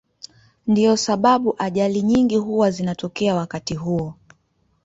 Ndiyo sababu ajali nyingi huwa zinatokea wakati huo.